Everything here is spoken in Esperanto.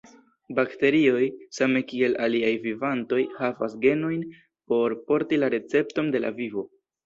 Bakterioj, same kiel aliaj vivantoj, havas genojn por porti la recepton de la vivo.